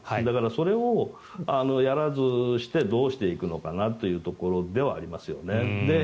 それをやらずしてどうしていくのかというところではありますね。